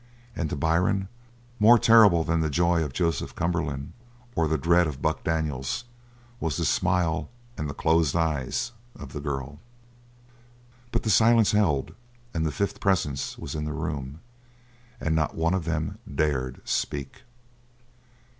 And to Byrne, more terrible than the joy of Joseph Cumberland or the dread of Buck Daniels was the smile and the closed eyes of the girl. But the silence held and the fifth presence was in the room, and not one of them dared speak.